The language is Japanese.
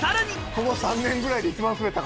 この３年ぐらいで一番スベった。